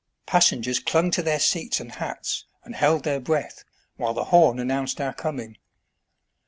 Passengers clung to their seats and hats, and held their breath, while the horn announced our coming.